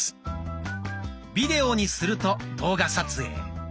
「ビデオ」にすると動画撮影。